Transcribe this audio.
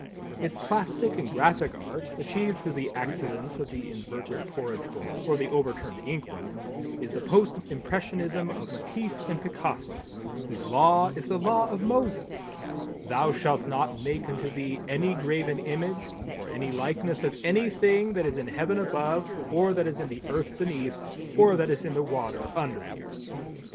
Its Plastic and Graphic Art (achieved through the accident of the inverted Porridge bowl or the overturned inkwell) is the Post Impressionism of Matisse and Picasso, whose law is the Law of Moses—"Thou shalt not make unto thee any graven image, or any likeness of any thing that is in heaven above, or that is in the earth beneath, or that is in the water under the earth."